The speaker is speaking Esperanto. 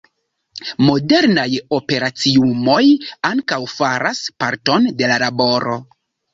Modernaj operaciumoj ankaŭ faras parton de la laboro.